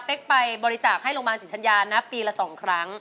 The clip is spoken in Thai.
ไปบริจาคให้โรงพยาบาลศรีธัญญานะปีละ๒ครั้ง